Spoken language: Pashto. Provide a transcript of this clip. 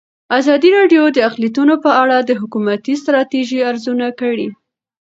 ازادي راډیو د اقلیتونه په اړه د حکومتي ستراتیژۍ ارزونه کړې.